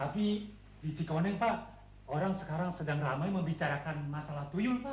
tapi di cikaunding pak orang sekarang sedang ramai membicarakan masalah tuyung pak